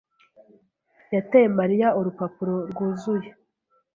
yateye Mariya urupapuro rwuzuye.